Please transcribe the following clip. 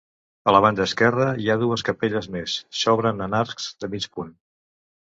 A la banda esquerra hi ha dues capelles més, s'obren en arcs de mig punt.